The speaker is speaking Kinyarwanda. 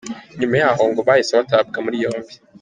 Nyuma y’aho ngo bahise batabwa muri yombi.